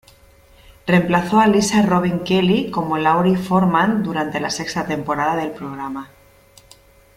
Reemplazó a Lisa Robin Kelly como Laurie Forman durante la sexta temporada del programa.